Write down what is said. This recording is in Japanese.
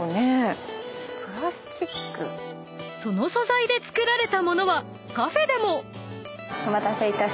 ［その素材で作られた物はカフェでも］